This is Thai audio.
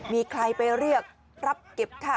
มีใครไปเรียกรับเก็บค่า